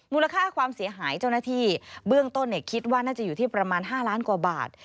มูลค่าความเสียหายเจ้าหน้าที่เบื้องต้นคิดว่าน่าจะอยู่ที่ประมาณ๕ล้านกว่าบาท